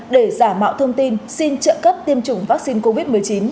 để giả mạo thông tin xin trợ cấp tiêm chủng vaccine covid một mươi chín